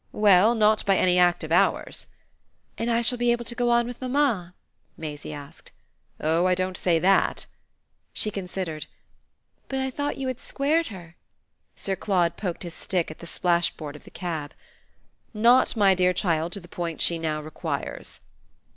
"Well not by any act of ours." "And I shall be able to go on with mamma?" Maisie asked. "Oh I don't say that!" She considered. "But I thought you said you had squared her?" Sir Claude poked his stick at the splashboard of the cab. "Not, my dear child, to the point she now requires."